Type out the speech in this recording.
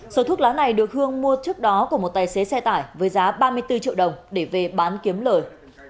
số thuốc lá này được hương mua trước đó của một tài xế xe tải với giá ba mươi bốn triệu đồng để về bán kiếm lời